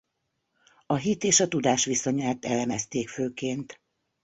A hit és a tudás viszonyát elemezték főként.